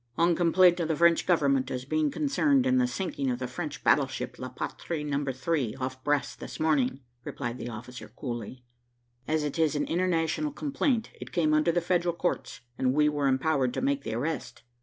"On complaint of the French government as being concerned in the sinking of the French battleship La Patrie Number 3 off Brest this morning," replied the officer coolly. "As it is an international complaint, it came under the Federal courts, and we were empowered to make the arrest."